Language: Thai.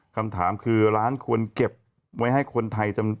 คำถามคือร้านควรเก็บไว้ให้คนไทยจำนวน